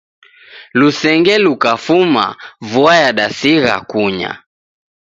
Lusenge lukafuma vua yadasigha kunya